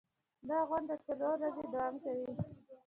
دا غونډه څلور ورځې دوام کوي.